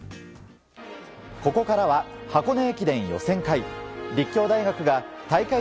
ここからは箱根駅伝予選会。